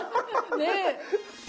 ねえ。